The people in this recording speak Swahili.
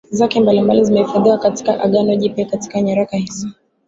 zake mbalimbali zimehifadhiwa katika Agano Jipya Katika nyaraka hizo